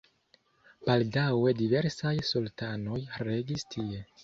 Baldaŭe diversaj sultanoj regis tie.